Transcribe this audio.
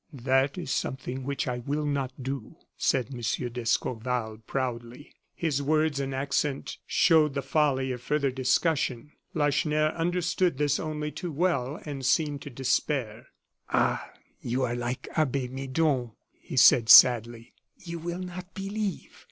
"That is something which I will not do," said M. d'Escorval, proudly. His words and accent showed the folly of further discussion. Lacheneur understood this only too well, and seemed to despair. "Ah! you are like Abbe Midon," he said, sadly; "you will not believe.